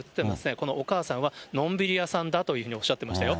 このお母さんはのんびり屋さんだとおっしゃってましたよ。